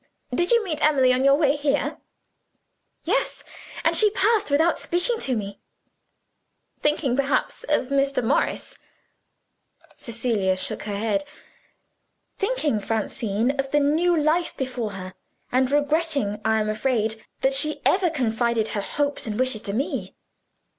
"Did you meet Emily on your way here?" "Yes, and she passed without speaking to me." "Thinking perhaps of Mr. Morris." Cecilia shook her head. "Thinking, Francine, of the new life before her and regretting, I am afraid, that she ever confided her hopes and wishes to me.